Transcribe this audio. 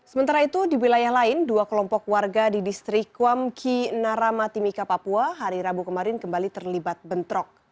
sementara itu di wilayah lain dua kelompok warga di distrik kuamki naramatimika papua hari rabu kemarin kembali terlibat bentrok